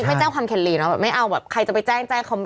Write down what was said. ไปแจ้งคำเข็นรีไม่เอาใครจะไปแจ้งแจ้งเขา